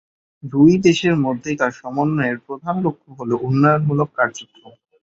দুই দেশের মধ্যকার সমন্বয়ের প্রধান লক্ষ্য হল, উন্নয়নমূলক কার্যক্রম।